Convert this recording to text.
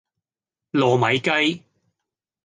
糯米雞